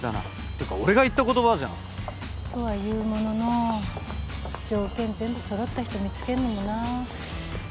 っていうか俺が言った言葉じゃん。とはいうものの条件全部揃った人見つけんのもな。